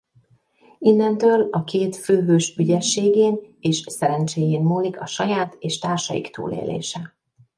Innentől a két főhős ügyességén és szerencséjén múlik a saját és társaik túlélése.